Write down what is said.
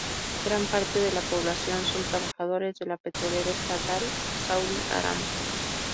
Gran parte de la población son trabajadores de la petrolera estatal Saudi Aramco.